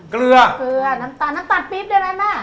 กลือ